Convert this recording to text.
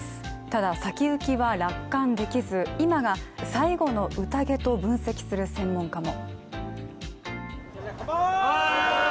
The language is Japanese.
ただ、先行きは楽観できず今が最後のうたげと分析する専門家も。